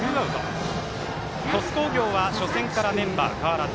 鳥栖工業は初戦からメンバー変わらず。